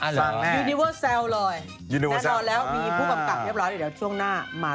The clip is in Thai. อ๋อเหรอแน่ค่ะยูนิเวิร์สแซลลอย